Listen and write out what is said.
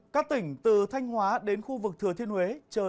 các tỉnh từ thanh hóa đến khu vực thừa thiên huế